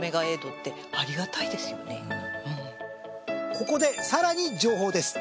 ここでさらに情報です。